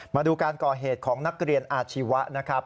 มาดูการก่อเหตุของนักเรียนอาชีวะนะครับ